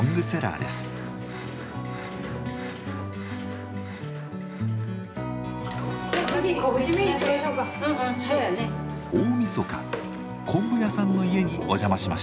大みそか昆布屋さんの家にお邪魔しました。